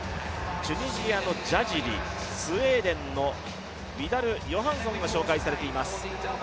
チュニジアのジャジリ、スウェーデンのヨハンソンが紹介されています。